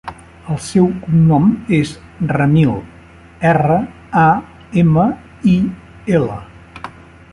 El seu cognom és Ramil: erra, a, ema, i, ela.